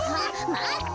まって！